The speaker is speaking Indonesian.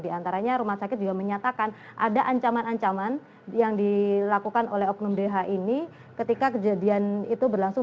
di antaranya rumah sakit juga menyatakan ada ancaman ancaman yang dilakukan oleh oknum dh ini ketika kejadian itu berlangsung